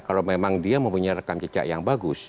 kalau memang dia mempunyai rekam jejak yang bagus